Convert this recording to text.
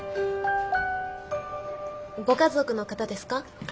ご家族の方ですか？